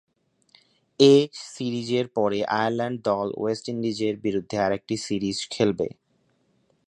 এ সিরিজের পরে আয়ারল্যান্ড দল ওয়েস্ট ইন্ডিজের বিরুদ্ধে আরেকটি সিরিজ খেলবে।